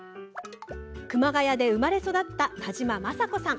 熊谷で生まれ育った田嶋昌子さん。